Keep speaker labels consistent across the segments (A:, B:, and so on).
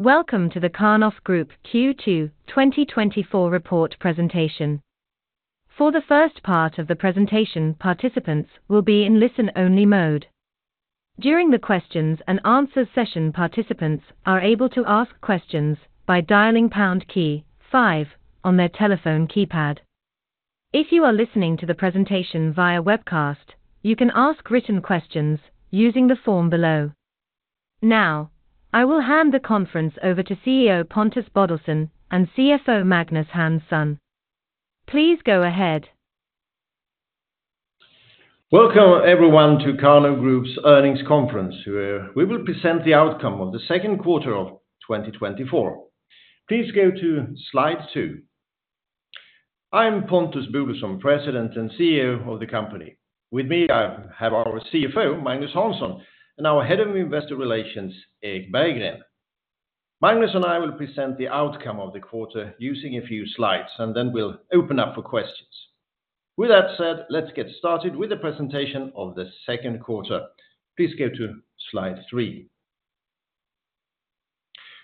A: Welcome to the Karnov Group Q2 2024 report presentation. For the first part of the presentation, participants will be in listen-only mode. During the questions and answers session, participants are able to ask questions by dialing pound key five on their telephone keypad. If you are listening to the presentation via webcast, you can ask written questions using the form below. Now, I will hand the conference over to CEO Pontus Bodelsson and CFO Magnus Hansson. Please go ahead.
B: Welcome everyone to Karnov Group's earnings conference, where we will present the outcome of the second quarter of twenty twenty-four. Please go to slide two. I'm Pontus Bodelsson, President and CEO of the company. With me, I have our CFO, Magnus Hansson, and our Head of Investor Relations, Erik Berggren. Magnus and I will present the outcome of the quarter using a few slides, and then we'll open up for questions. With that said, let's get started with the presentation of the second quarter. Please go to slide three.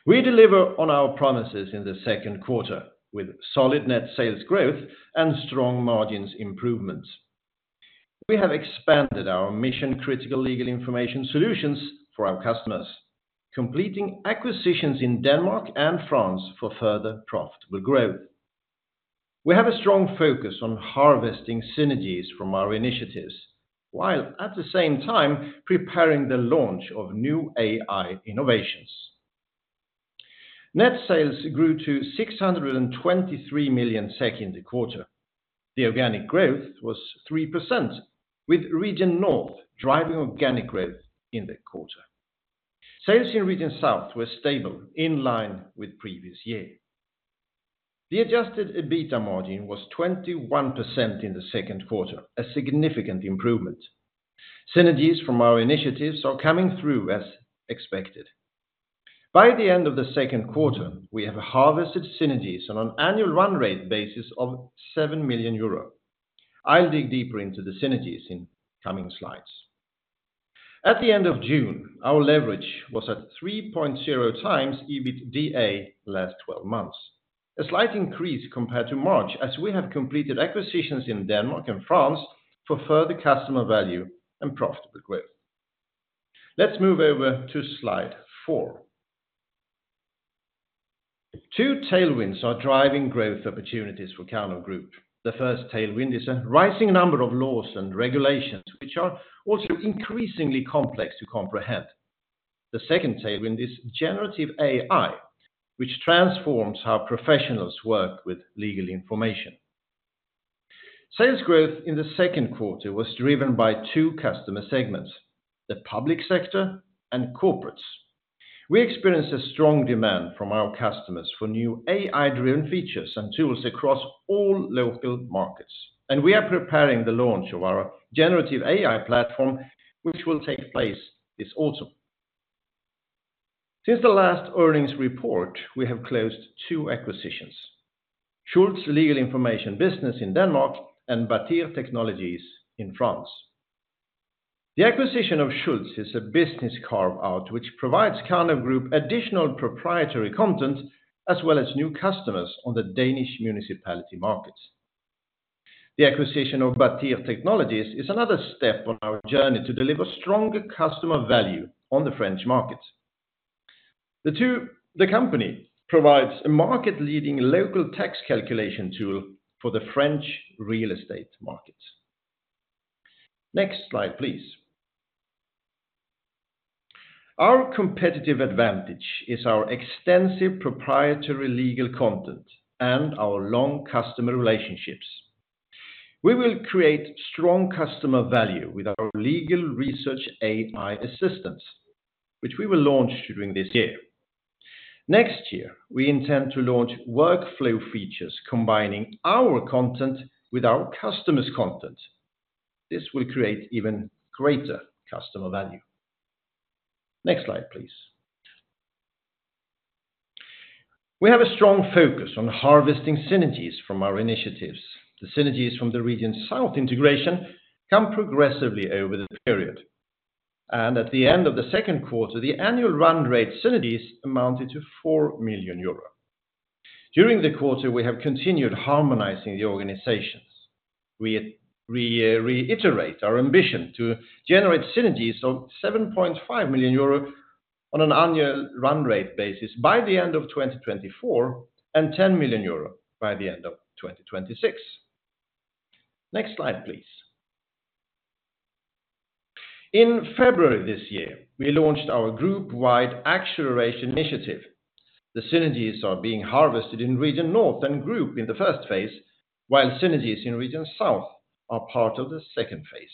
B: We deliver on our promises in the second quarter with solid net sales growth and strong margins improvements. We have expanded our mission-critical legal information solutions for our customers, completing acquisitions in Denmark and France for further profitable growth. We have a strong focus on harvesting synergies from our initiatives, while at the same time preparing the launch of new AI innovations. Net sales grew to 623 million SEK in the quarter. The organic growth was 3%, with Region North driving organic growth in the quarter. Sales in Region South were stable, in line with previous year. The Adjusted EBITDA margin was 21% in the second quarter, a significant improvement. Synergies from our initiatives are coming through as expected. By the end of the second quarter, we have harvested synergies on an annual run rate basis of 7 million euro. I'll dig deeper into the synergies in coming slides. At the end of June, our leverage was at 3.0 times EBITDA last twelve months. A slight increase compared to March, as we have completed acquisitions in Denmark and France for further customer value and profitable growth. Let's move over to slide four. Two tailwinds are driving growth opportunities for Karnov Group. The first tailwind is a rising number of laws and regulations, which are also increasingly complex to comprehend. The second tailwind is generative AI, which transforms how professionals work with legal information. Sales growth in the second quarter was driven by two customer segments, the public sector and corporates. We experienced a strong demand from our customers for new AI-driven features and tools across all local markets, and we are preparing the launch of our generative AI platform, which will take place this autumn. Since the last earnings report, we have closed two acquisitions: Schultz Legal Information Business in Denmark and Bâtir Technologies in France. The acquisition of Schultz is a business carve-out, which provides Karnov Group additional proprietary content, as well as new customers on the Danish municipality markets. The acquisition of Bâtir Technologies is another step on our journey to deliver stronger customer value on the French market. The company provides a market-leading local tax calculation tool for the French real estate markets. Next slide, please. Our competitive advantage is our extensive proprietary legal content and our long customer relationships. We will create strong customer value with our legal research AI assistants, which we will launch during this year. Next year, we intend to launch workflow features, combining our content with our customers' content. This will create even greater customer value. Next slide, please. We have a strong focus on harvesting synergies from our initiatives. The synergies from the Region South integration come progressively over the period, and at the end of the second quarter, the annual run rate synergies amounted to 4 million euro. During the quarter, we have continued harmonizing the organizations. We reiterate our ambition to generate synergies of 7.5 million euro on an annual run rate basis by the end of 2024, and 10 million euro by the end of 2026. Next slide, please. In February this year, we launched our group-wide acceleration initiative. The synergies are being harvested in Region North and Group in the first phase, while synergies in Region South are part of the second phase.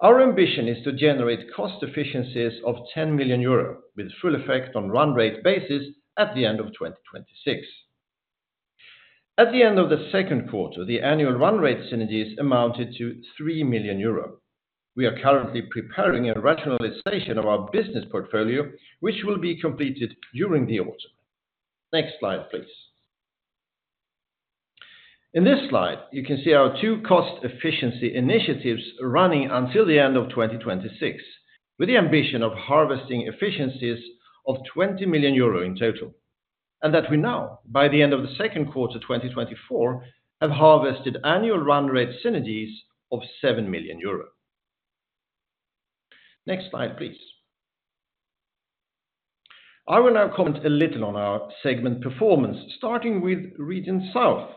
B: Our ambition is to generate cost efficiencies of 10 million euro, with full effect on run rate basis at the end of 2026. At the end of the second quarter, the annual run rate synergies amounted to 3 million euro. We are currently preparing a rationalization of our business portfolio, which will be completed during the autumn. Next slide, please. In this slide, you can see our two cost efficiency initiatives running until the end of 2026, with the ambition of harvesting efficiencies of 20 million euro in total, and that we now, by the end of the second quarter, 2024, have harvested annual run rate synergies of 7 million euro. Next slide, please. I will now comment a little on our segment performance, starting with Region South.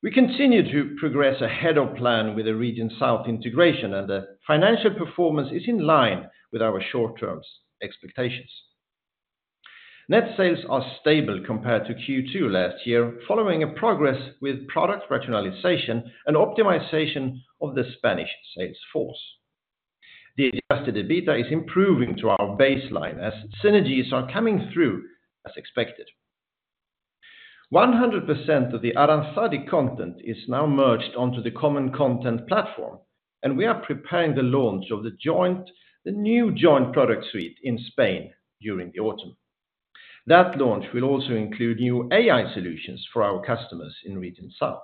B: We continue to progress ahead of plan with the Region South integration, and the financial performance is in line with our short-term expectations. Net sales are stable compared to Q2 last year, following a progress with product rationalization and optimization of the Spanish sales force. The Adjusted EBITDA is improving to our baseline as synergies are coming through as expected. 100% of the Aranzadi content is now merged onto the common content platform, and we are preparing the launch of the new joint product suite in Spain during the autumn. That launch will also include new AI solutions for our customers in Region South.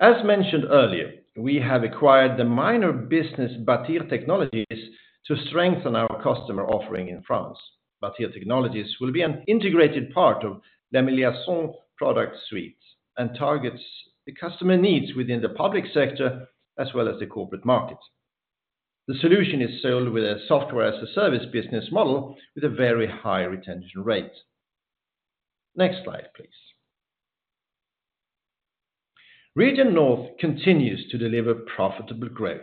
B: As mentioned earlier, we have acquired the minor business, Bâtir Technologies, to strengthen our customer offering in France. Bâtir Technologies will be an integrated part of the Lamy Liaisons product suite and targets the customer needs within the public sector, as well as the corporate market. The solution is sold with a software as a service business model with a very high retention rate. Next slide, please. Region North continues to deliver profitable growth.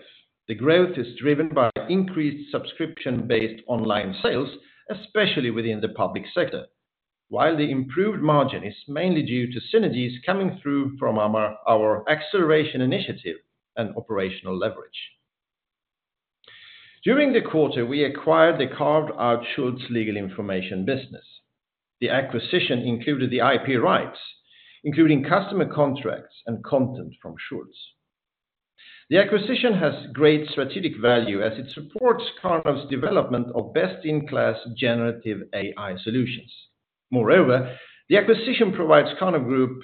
B: The growth is driven by increased subscription-based online sales, especially within the public sector, while the improved margin is mainly due to synergies coming through from our acceleration initiative and operational leverage. During the quarter, we acquired the carved-out Schultz Legal Information business. The acquisition included the IP rights, including customer contracts and content from Schultz. The acquisition has great strategic value as it supports Karnov Group's development of best-in-class generative AI solutions. Moreover, the acquisition provides Karnov Group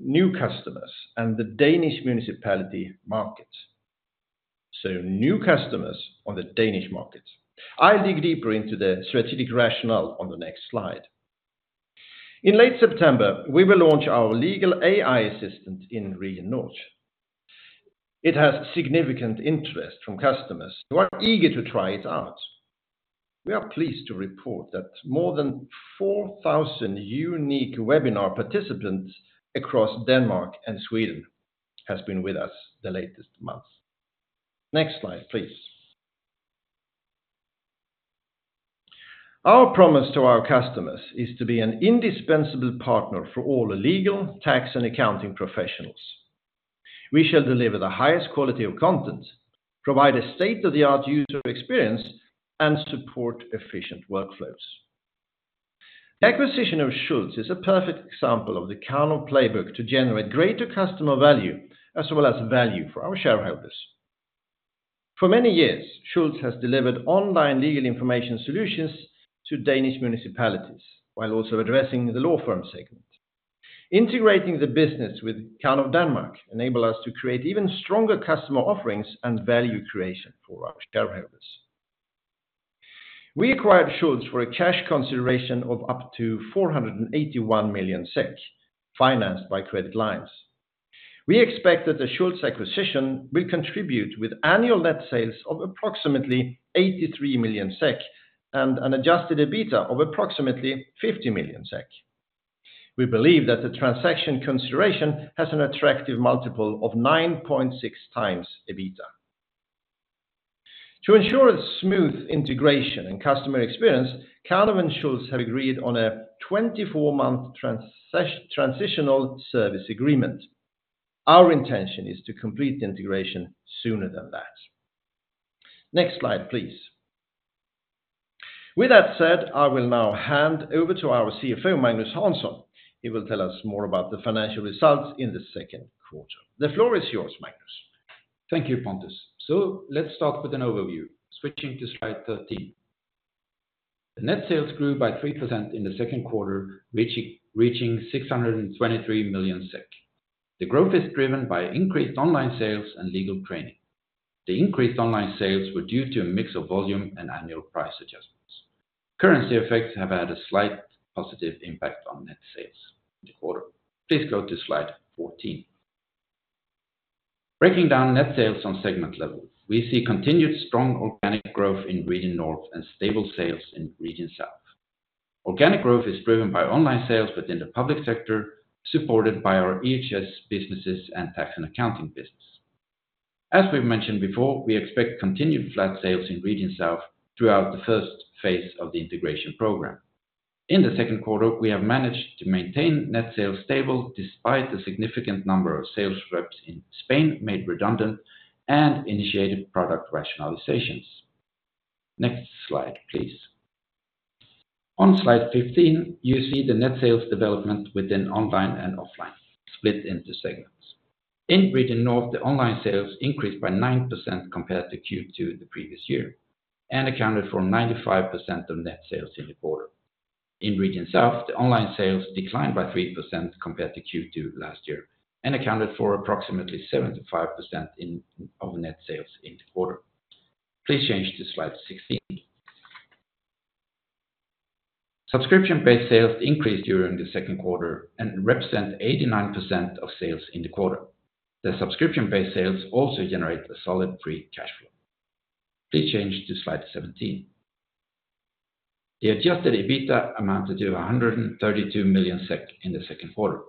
B: new customers and the Danish municipality market, so new customers on the Danish market. I'll dig deeper into the strategic rationale on the next slide. In late September, we will launch our legal AI assistant in Region North. It has significant interest from customers who are eager to try it out. We are pleased to report that more than 4,000 unique webinar participants across Denmark and Sweden has been with us the latest months. Next slide, please. Our promise to our customers is to be an indispensable partner for all the legal, tax, and accounting professionals. We shall deliver the highest quality of content, provide a state-of-the-art user experience, and support efficient workflows. The acquisition of Schultz is a perfect example of the Karnov playbook to generate greater customer value, as well as value for our shareholders. For many years, Schultz has delivered online legal information solutions to Danish municipalities, while also addressing the law firm segment. Integrating the business with Karnov Denmark enable us to create even stronger customer offerings and value creation for our shareholders. We acquired Schultz for a cash consideration of up to 481 million SEK, financed by credit lines. We expect that the Schultz acquisition will contribute with annual net sales of approximately 83 million SEK and an Adjusted EBITDA of approximately 50 million SEK. We believe that the transaction consideration has an attractive multiple of 9.6 times EBITDA. To ensure a smooth integration and customer experience, Karnov and Schultz have agreed on a 24-month transitional service agreement. Our intention is to complete the integration sooner than that. Next slide, please. With that said, I will now hand over to our CFO, Magnus Hansson. He will tell us more about the financial results in the second quarter. The floor is yours, Magnus.
C: Thank you, Pontus. So let's start with an overview, switching to slide 13. The net sales grew by 3% in the second quarter, reaching 623 million SEK. The growth is driven by increased online sales and legal training. The increased online sales were due to a mix of volume and annual price adjustments. Currency effects have had a slight positive impact on net sales in the quarter. Please go to slide 14. Breaking down net sales on segment level, we see continued strong organic growth in Region North and stable sales in Region South. Organic growth is driven by online sales within the public sector, supported by our EHS businesses and tax and accounting business. As we've mentioned before, we expect continued flat sales in Region South throughout the first phase of the integration program. In the second quarter, we have managed to maintain net sales stable despite the significant number of sales reps in Spain made redundant and initiated product rationalizations. Next slide, please. On slide 15, you see the net sales development within online and offline, split into segments. In Region North, the online sales increased by 9% compared to Q2 the previous year, and accounted for 95% of net sales in the quarter. In Region South, the online sales declined by 3% compared to Q2 last year, and accounted for approximately 75% of net sales in the quarter. Please change to slide 16. Subscription-based sales increased during the second quarter and represent 89% of sales in the quarter. The subscription-based sales also generate a solid free cash flow. Please change to slide 17. The Adjusted EBITDA amounted to 132 million SEK in the second quarter.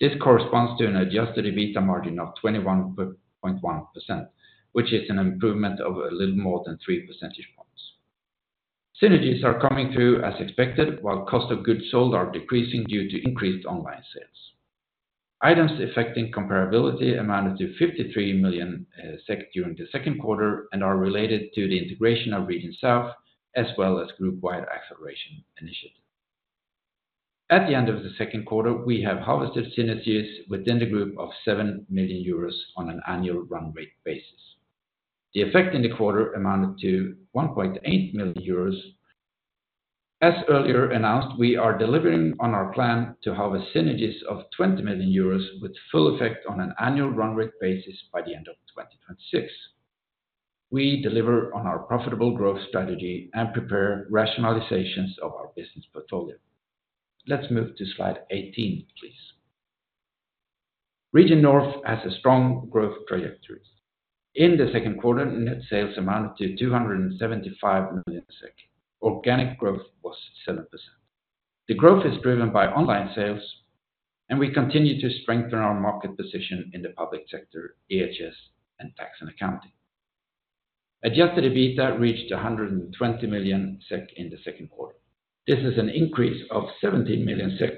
C: This corresponds to an Adjusted EBITDA margin of 21.1%, which is an improvement of a little more than three percentage points. Synergies are coming through as expected, while cost of goods sold are decreasing due to increased online sales. Items affecting comparability amounted to 53 million SEK during the second quarter and are related to the integration of Region South, as well as group-wide acceleration initiative. At the end of the second quarter, we have harvested synergies within the group of 7 million euros on an annual run rate basis. The effect in the quarter amounted to 1.8 million euros. As earlier announced, we are delivering on our plan to harvest synergies of 20 million euros with full effect on an annual run rate basis by the end of 2026. We deliver on our profitable growth strategy and prepare rationalizations of our business portfolio. Let's move to slide 18, please. Region North has a strong growth trajectory. In the second quarter, net sales amounted to 275 million SEK. Organic growth was 7%. The growth is driven by online sales, and we continue to strengthen our market position in the public sector, EHS, and tax and accounting. Adjusted EBITDA reached 120 million SEK in the second quarter. This is an increase of 17 million SEK,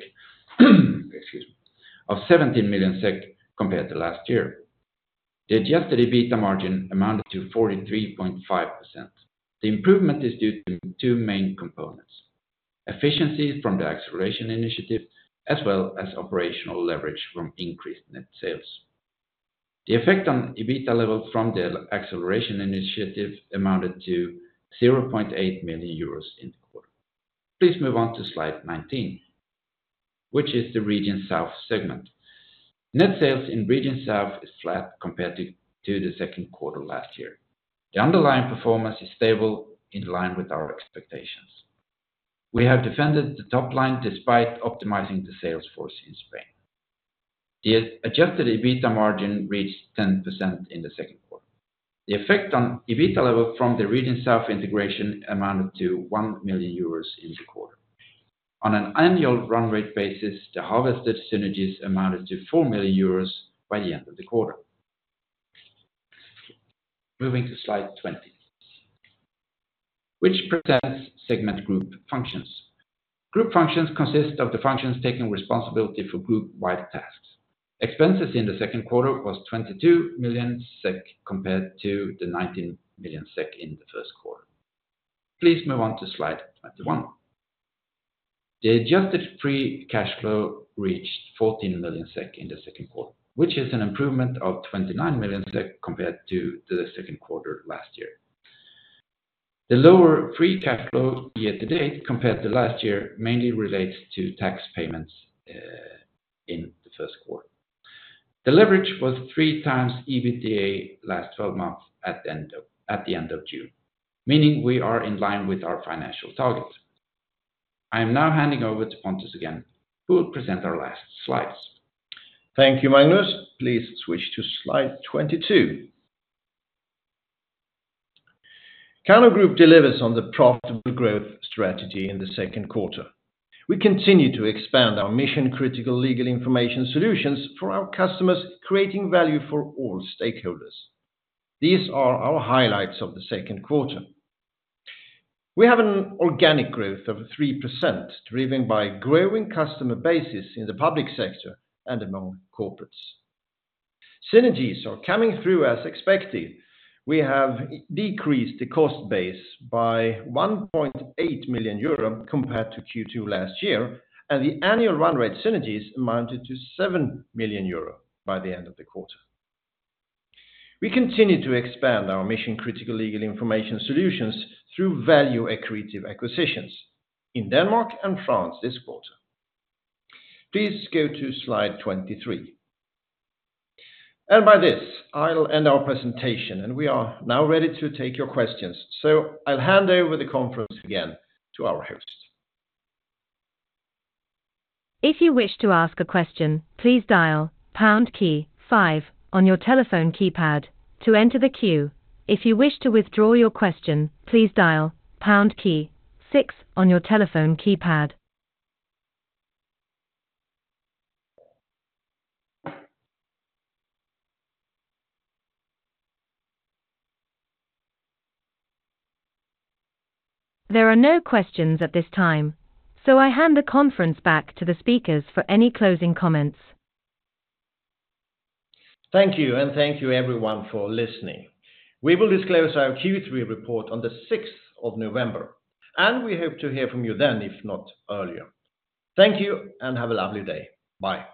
C: excuse me, of 17 million SEK compared to last year. The Adjusted EBITDA margin amounted to 43.5%. The improvement is due to two main components: efficiency from the acceleration initiative, as well as operational leverage from increased net sales. The effect on EBITDA level from the acceleration initiative amounted to 0.8 million euros in the quarter. Please move on to slide 19, which is the Region South segment. Net sales in Region South is flat compared to the second quarter last year. The underlying performance is stable in line with our expectations. We have defended the top line despite optimizing the sales force in Spain. The Adjusted EBITDA margin reached 10% in the second quarter. The effect on EBITDA level from the Region South integration amounted to 1 million euros in the quarter. On an annual run rate basis, the harvested synergies amounted to 4 million euros by the end of the quarter. Moving to slide 20, which presents segment group functions. Group functions consist of the functions taking responsibility for group-wide tasks. Expenses in the second quarter was 22 million SEK, compared to 19 million SEK in the first quarter. Please move on to slide 21. The adjusted free cash flow reached 14 million SEK in the second quarter, which is an improvement of 29 million SEK compared to the second quarter last year. The lower free cash flow year-to-date, compared to last year, mainly relates to tax payments in the first quarter. The leverage was three times EBITDA last twelve months at the end of June, meaning we are in line with our financial targets. I am now handing over to Pontus again, who will present our last slides.
B: Thank you, Magnus. Please switch to slide 22. Karnov Group delivers on the profitable growth strategy in the second quarter. We continue to expand our mission-critical legal information solutions for our customers, creating value for all stakeholders. These are our highlights of the second quarter. We have an organic growth of 3%, driven by growing customer bases in the public sector and among corporates. Synergies are coming through as expected. We have decreased the cost base by 1.8 million euro compared to Q2 last year, and the annual run rate synergies amounted to 7 million euro by the end of the quarter. We continue to expand our mission-critical legal information solutions through value accretive acquisitions in Denmark and France this quarter. Please go to slide 23. With this, I'll end our presentation, and we are now ready to take your questions. So I'll hand over the conference again to our host.
A: If you wish to ask a question, please dial pound key five on your telephone keypad to enter the queue. If you wish to withdraw your question, please dial pound key six on your telephone keypad. There are no questions at this time, so I hand the conference back to the speakers for any closing comments.
B: Thank you, and thank you everyone for listening. We will disclose our Q3 report on the sixth of November, and we hope to hear from you then, if not earlier. Thank you, and have a lovely day. Bye.